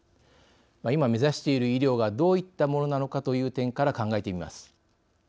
今、目指している医療がどういったものなのかという点から考えてみます。